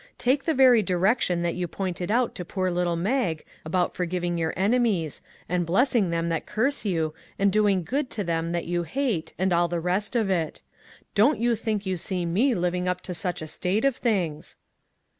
Take the very direction that you pointed out to poor little Mag about for giving your enemies, and blessing them that curse you, and doing good to them that you hate, and all the rest of it. Don't you think you see me living up to such a state of things!"